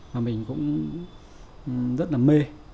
và mình cũng rất là mê